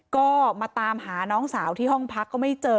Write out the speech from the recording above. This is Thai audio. ก็มาตามหาน้องสาวที่ห้องพักก็ไม่เจอ